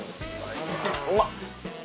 うまっ！